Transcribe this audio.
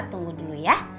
tunggu dulu ya